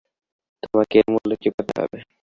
তোমাকে এর মূল্য চুকাতে হবে।